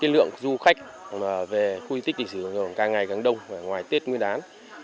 lượng du khách về khu di tích thì sẽ càng ngày càng đông ngoài tiết nguyên đán